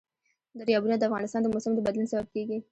دریابونه د افغانستان د موسم د بدلون سبب کېږي.